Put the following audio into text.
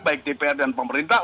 baik dpr dan pemerintah